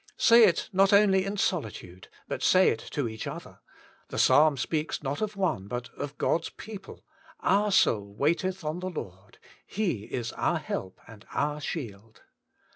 Say it not only in solitude, but say it to each other — the 58 WAITING ON GOD! psalm speaks not of one but of God's people —* Our soul waiteth on the Lord : He is our help and our shield.'